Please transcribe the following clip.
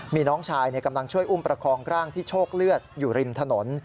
มีน้องชายกำลังช่วยอุ้มประคองร่างที่โชคเลือดอยู่ริมถนน